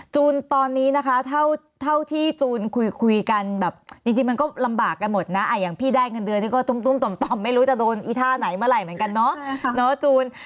จูนตอนนี้นะคะเท่าที่จูนคุยกันแบบจริงมันก็ลำบากกันหมดนะอย่างพี่ได้เงินเดือนนี่ก็ตุ้มต่อมไม่รู้จะโดนอีท่าไหนเมื่อไหร่เหมือนกันเนาะจูน